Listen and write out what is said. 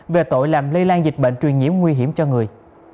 về tội làm lây lan dịch bệnh truyền nhiễm nguy hiểm cho người